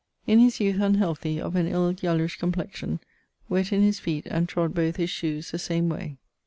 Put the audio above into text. In his youth unhealthy; of an ill yellowish complexion: wett in his feet, and trod both his shoes the same way.